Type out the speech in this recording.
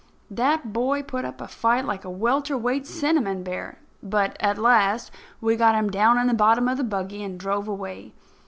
That boy put up a fight like a welter weight cinnamon bear; but, at last, we got him down in the bottom of the buggy and drove away.